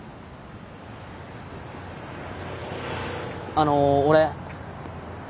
あの俺。